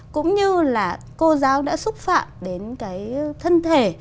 cũng như là cô giáo đã xúc phạm đến cái thân thể